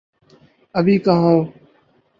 ابھی کہاں ہو؟